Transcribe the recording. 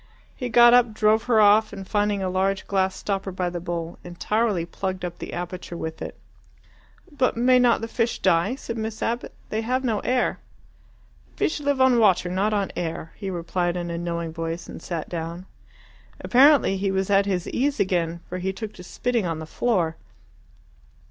He got up, drove her off, and finding a large glass stopper by the bowl, entirely plugged up the aperture with it. "But may not the fish die?" said Miss Abbott. "They have no air." "Fish live on water, not on air," he replied in a knowing voice, and sat down. Apparently he was at his ease again, for he took to spitting on the floor.